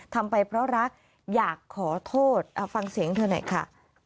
ทำไปเพราะรักอยากขอโทษเอาฟังเสียงเธอหน่อยค่ะ